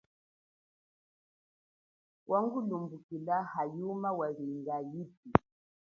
Wangulumbukila hayuma walinga yipi.